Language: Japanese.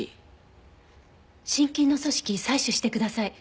心筋の組織採取してください。